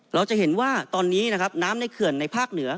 เราจะเห็นว่าตอนนี้นะครับน้ำในเขื่อนในภาคเหนือ